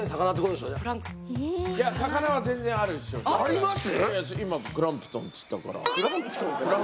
あります？